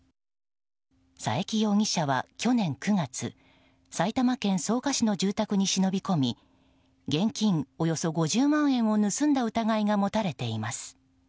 佐伯容疑者は去年９月埼玉県草加市の住宅に忍び込み現金およそ５０万円を盗んだ疑いが持たれています。